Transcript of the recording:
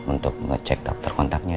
untuk ngecek daftar kontaknya